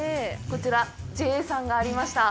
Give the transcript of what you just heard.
こちら、ＪＡさんがありました。